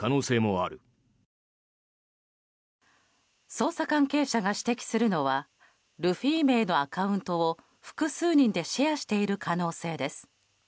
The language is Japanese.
捜査関係者が指摘するのはルフィ名のアカウントを複数人でシェアしている可能性です。